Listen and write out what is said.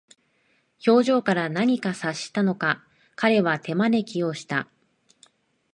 表情から何か察したのか、彼は手招きをした。